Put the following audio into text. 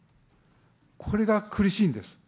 これが苦しいんです。